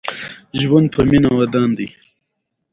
ژوند په مينه ودان دې